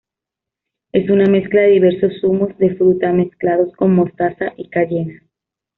Es una mezcla de diversos zumos de fruta mezclados con mostaza y cayena.